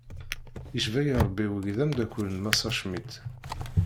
Icebbayi rebbi wagi d amdakel n massa Schmitt.